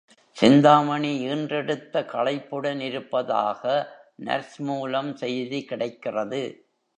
சிந்தாமணி ஈன்றெடுத்த களைப்புடன் இருப்பதாக நர்ஸ் மூலம் செய்தி கிடைக்கிறது.